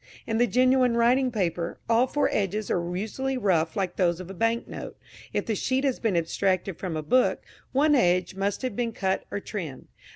In the genuine writing paper, all four edges are usually rough like those of a bank note. If the sheet has been abstracted from a book, one edge must have been cut or trimmed.